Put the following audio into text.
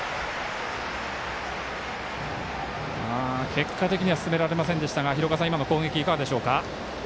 結果的には進められませんでしたが今の攻撃、いかがでしょうか？